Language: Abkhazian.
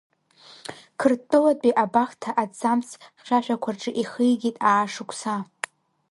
Қырҭтәылатәи абахҭа аҭӡамц хьшәашәақәа рҿы ихигеит аашықәса.